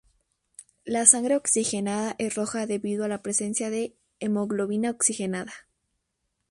La sangre oxigenada es roja debido a la presencia de hemoglobina oxigenada.